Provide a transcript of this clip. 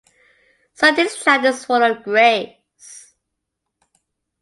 Sunday's child is full of grace.